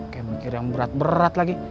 kayak mikir yang berat berat lagi